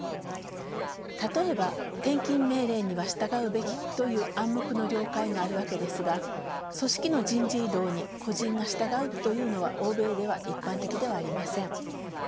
例えば転勤命令には従うべきという暗黙の了解があるわけですが組織の人事異動に個人が従うというのは欧米では一般的ではありません。